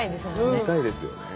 見たいですよね。